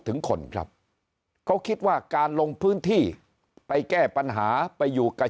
ถึงคนครับเขาคิดว่าการลงพื้นที่ไปแก้ปัญหาไปอยู่กับ